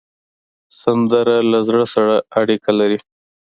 سندره له زړه سره اړیکه لري